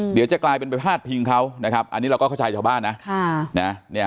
เดี๋ยวจะกลายเป็นบริษัทเพียงเขาอันนี้เราก็เข้าใจจากบ้านนะ